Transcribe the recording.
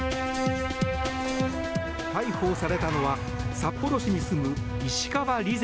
逮捕されたのは札幌市に住む石川莉世